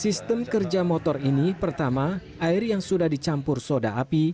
sistem kerja motor ini pertama air yang sudah dicampur soda api